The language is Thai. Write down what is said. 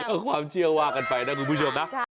ก็ความเชื่อว่ากันไปนะคุณผู้ชมนะ